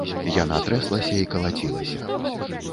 Яна трэслася і калацілася.